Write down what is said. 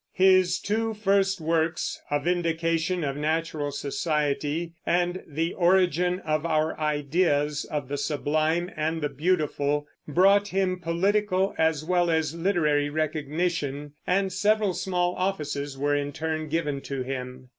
His two first works, A Vindication of Natural Society and The Origin of our Ideas of the Sublime and the Beautiful, brought him political as well as literary recognition, and several small offices were in turn given to him.